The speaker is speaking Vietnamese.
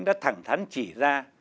đã thẳng thắn chỉ ra